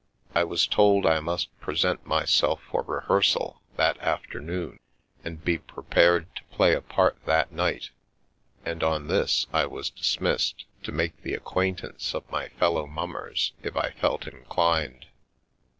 I was told I must present myself for rehearsal that afternoon and be pre pared to play a part that night, and on this I was dis missed, to make the acquaintance of my fellow mummers if I felt inclined.